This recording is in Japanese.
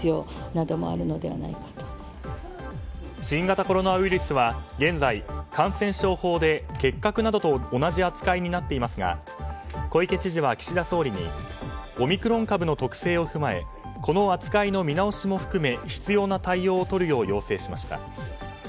新型コロナウイルスは現在感染症法で結核などと同じ扱いになっていますが小池知事は岸田総理にオミクロン株の特性を踏まえこの扱いの見直しも含め必要な対応をとるよう要請しました。